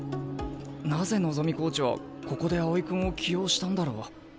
なぜ望コーチはここで青井君を起用したんだろう？